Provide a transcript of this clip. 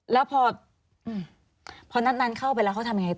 แล้วพอนัดนั้นเข้าไปแล้วเขาทำยังไง